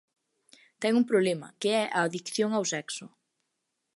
Ten un problema que é a adicción ao sexo.